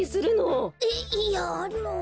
えっいやあの。